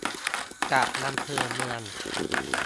กับอำเภอเมือง